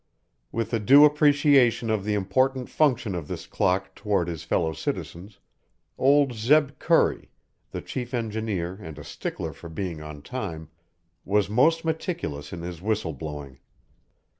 With a due appreciation of the important function of this clock toward his fellow citizens, old Zeb Curry, the chief engineer and a stickler for being on time, was most meticulous in his whistle blowing.